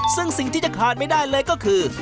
ซึ่งสิ่งที่จะขาดไม่ได้เลยก็คือ